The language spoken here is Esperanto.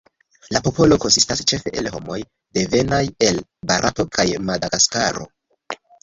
La popolo konsistas ĉefe el homoj devenaj el Barato kaj Madagaskaro.